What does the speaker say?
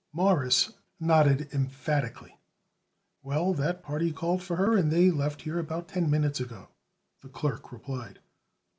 Morris nodded emphatically. "Well, that party called for her and they left here about ten minutes ago," the clerk replied.